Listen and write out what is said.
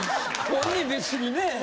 本人別にね。